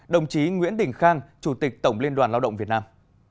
đồng chí nguyễn đình khang chủ tịch tổng liên đoàn lao động việt nam